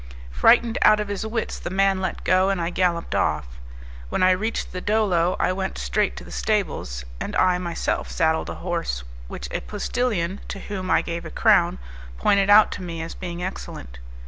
Frightened out of his wits, the man let go, and I galloped off. When I reached the Dolo, I went straight to the stables, and I myself saddled a horse which a postillion, to whom I gave a crown, pointed out to me as being excellent.